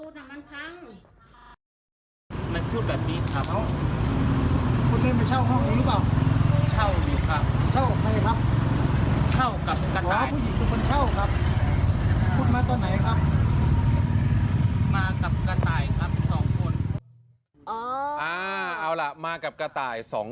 ไม่ประตูน่ะมันพัง